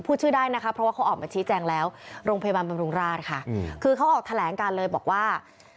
พูดชื่อได้นะคะเพราะว่าเขาออกมาชี้แจงแล้วโรงพยาบาลบำรุงราชค่ะคือเขาออกแถลงการเลยบอกว่า